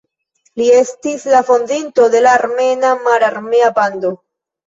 Li estis la fondinto de la "Armena Mararmea Bando".